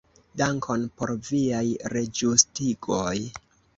Dankon por viaj reĝustigoj.